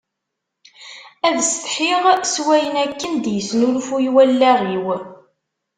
Ad setḥiɣ s wayen akken d-yesnlfuy wallaɣ-iw.